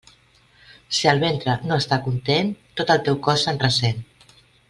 Si el ventre no està content, tot el teu cos se'n ressent.